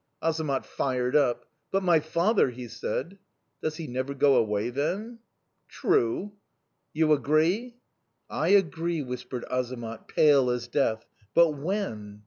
"Azamat fired up. "'But my father ' he said. "'Does he never go away, then?' "'True.' "'You agree?' "'I agree,' whispered Azamat, pale as death. 'But when?